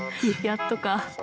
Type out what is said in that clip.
やっとか。